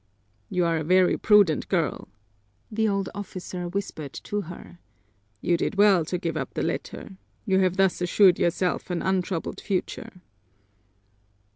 "You are a very prudent girl," the old officer whispered to her. "You did well to give up the letter. You have thus assured yourself an untroubled future."